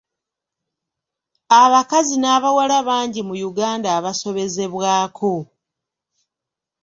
Abakazi n'abawala bangi mu Uganda abasobezebwako.